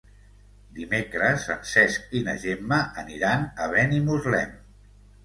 Dimecres en Cesc i na Gemma aniran a Benimuslem.